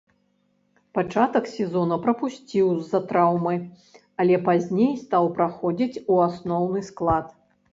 Пачатак сезона прапусціў з-за траўмы, але пазней стаў праходзіць у асноўны склад.